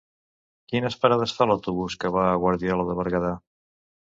Quines parades fa l'autobús que va a Guardiola de Berguedà?